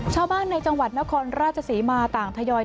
ชาวบ้านในจังหวัดนครราชศรีมาต่างทยอย